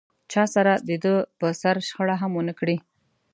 چا سره دده پر سر شخړه هم و نه کړي.